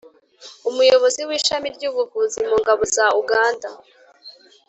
umuyobozi w'ishami ry'ubuvuzi mu ngabo za uganda,